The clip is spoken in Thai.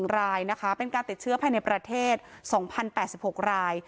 ๑รายนะคะเป็นการติดเชื้อภายในประเทศ๒๐๘๖ราย